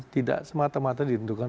tidak semata mata ditentukan